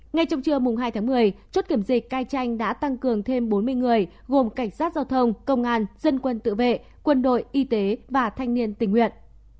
ngay trong trưa hai tháng một mươi chốt kiểm dịch cai tranh đã tăng cường thêm bốn mươi người gồm cảnh sát giao thông công an dân quân tự vệ quân đội y tế và thanh niên tình nguyện